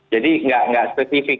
jadi nggak spesifik